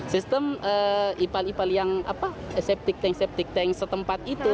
sistem ipal ipal yang septic tank septic tank setempat itu